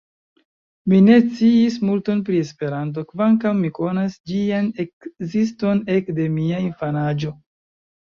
Mi ne sciis multon pri Esperanto, kvankam mi konas ĝian ekziston ekde mia infanaĝo.